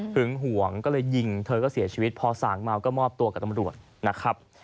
ห่วงก็เลยยิงเธอก็เสียชีวิตพอสางเมาก็มอบตัวกับตำรวจนะครับ